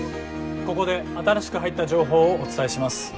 ここで新しく入った情報をお伝えします。